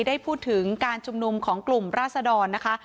ได้พูดถึงการชุมนุมของกลุ่มราศดรนะคะ